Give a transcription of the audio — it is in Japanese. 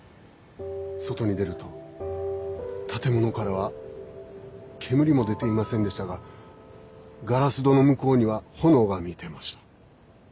外に出ると建物からは煙も出ていませんでしたがガラス戸の向こうには炎が見えていました。